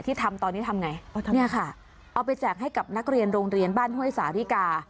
ทำตอนนี้ทำไงเนี่ยค่ะเอาไปแจกให้กับนักเรียนโรงเรียนบ้านห้วยสาธิกา